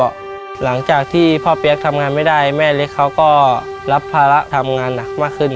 ก็หลังจากที่พ่อเปี๊ยกทำงานไม่ได้แม่เล็กเขาก็รับภาระทำงานหนักมากขึ้น